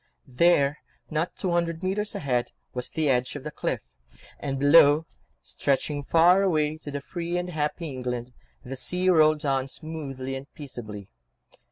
There, not two hundred mètres ahead, was the edge of the cliff, and below, stretching far away to free and happy England, the sea rolled on smoothly and peaceably.